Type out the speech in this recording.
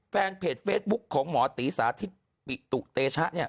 แฟนเพจเฟซบุ๊คของหมอตีสาธิตปิตุเตชะเนี่ย